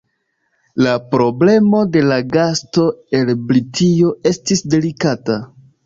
La problemo de la gasto el Britio estis delikata.